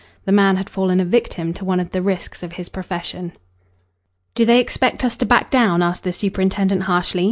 The man had fallen a victim to one of the risks of his profession. "Do they expect us to back down?" asked the superintendent harshly.